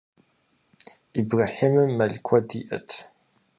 Ибрэхьимым мэл куэд иӏэт.